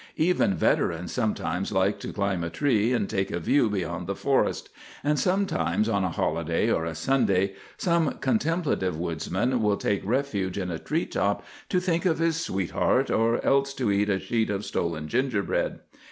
Even veterans sometimes like to climb a tree and take a view beyond the forest; and sometimes, on a holiday or a Sunday, some contemplative woodsman will take refuge in a tree top to think of his sweetheart, or else to eat a sheet of stolen gingerbread.